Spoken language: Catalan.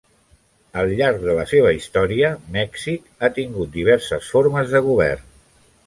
Al llarg de la seva història, Mèxic ha tingut diverses formes de govern.